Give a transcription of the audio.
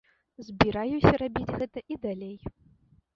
Збіраюся рабіць гэта і далей.